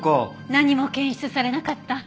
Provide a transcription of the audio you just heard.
何も検出されなかった。